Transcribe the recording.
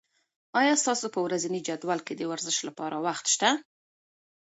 آیا ستاسو په ورځني جدول کې د ورزش لپاره وخت شته؟